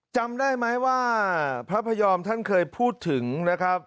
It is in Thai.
จำได้ไหมว่าพระพยอมท่านเคยพูดถึงนะครับ